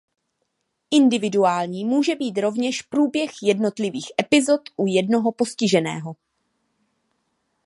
Individuální může být rovněž průběh jednotlivých epizod u jednoho postiženého.